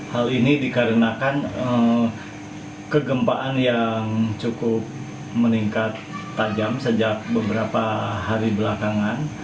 hal ini dikarenakan kegempaan yang cukup meningkat tajam sejak beberapa hari belakangan